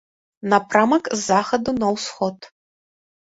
Напрамак з захаду на ўсход.